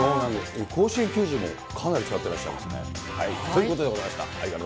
甲子園球児も、かなり使ってらっしゃいますね。ということでございました。